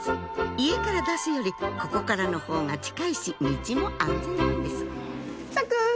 家から出すよりここからの方が近いし道も安全なんですさく！